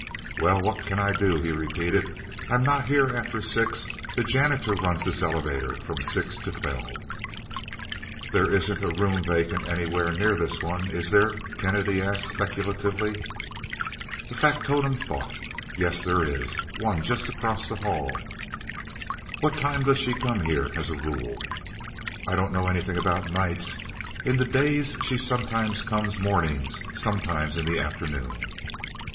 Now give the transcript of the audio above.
"Well, what can I do?" he repeated. "I'm not here after six. The janitor runs this elevator from six to twelve." "There isn't a room vacant anywhere near this one, is there?" Kennedy asked, speculatively. The factotum thought. "Yes, there is. One just across the hall." "What time does she come here as a rule?" "I don't know anything about nights. In the day she sometimes comes mornings, sometimes in the afternoon."